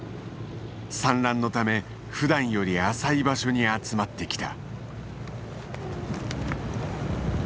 産卵のためふだんより浅い場所に集まってきた。